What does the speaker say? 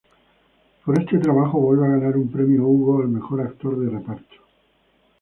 Por este trabajo vuelve a ganar un Premio Hugo al mejor actor de reparto.